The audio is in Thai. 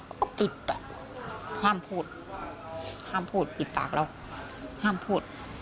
ก็ติดห้ามพูดห้ามพูดปิดปากเราห้ามพูด